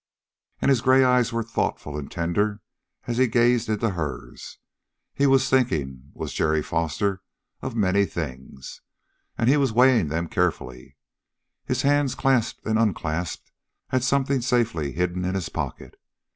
And his gray eyes were thoughtful and tender as he gazed into hers. He was thinking, was Jerry Foster, of many things. And he was weighing them carefully. His hand clasped and unclasped at something safely hidden in his pocket.